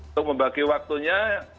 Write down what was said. untuk membagi waktunya